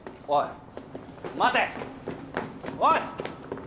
おい！